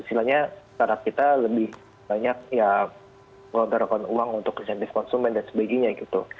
sebenarnya syarat kita lebih banyak ya mengeluarkan uang untuk konsumen dan sebagainya gitu